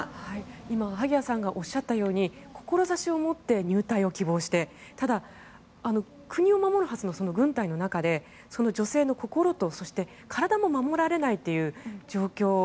今、萩谷さんがおっしゃったように志を持って入隊を希望してただ、国を守るはずの軍隊の中で女性の心とそして体も守られないという状況。